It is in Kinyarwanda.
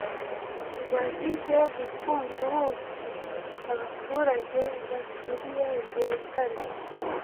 wazize gukunda ubuki. Abaturage baturiye urwo rutare